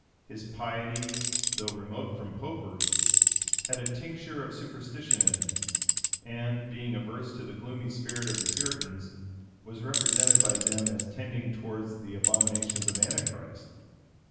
His piety, though remote from Popery, had a tincture of superstition in it; and, being averse to the gloomy spirit of the Puritans, was represented by them as tending towards the abominations of Antichrist.